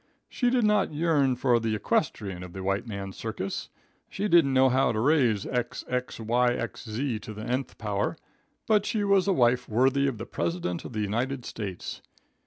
She did not yearn for the equestrian of the white man's circus. She didn't know how to raise XxYxZ to the nth power, but she was a wife worthy of the President of the United States.